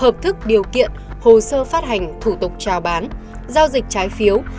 hợp thức điều kiện hồ sơ phát hành thủ tục trao bán giao dịch trái phiếu